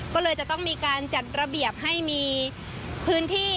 ก็เลยจะต้องมีการจัดระเบียบให้มีพื้นที่